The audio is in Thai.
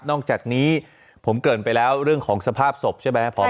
อกจากนี้ผมเกินไปแล้วเรื่องของสภาพศพใช่ไหม